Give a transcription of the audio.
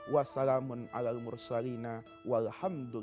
wassalamun a'laikum wa rahmatullah wa barakatuh